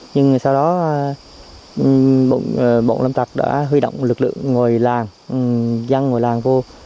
nhưng sau đó bộ lâm tạp đã huy động lực lượng dăng ngồi làng vô